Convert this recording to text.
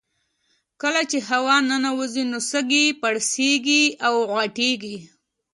کله چې هوا ننوځي نو سږي پړسیږي او غټیږي